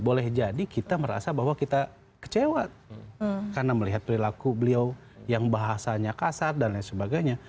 boleh jadi kita merasa bahwa kita kecewa karena melihat perilaku beliau yang bahasanya kasar dan lain sebagainya